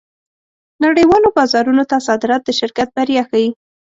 نړۍوالو بازارونو ته صادرات د شرکت بریا ښيي.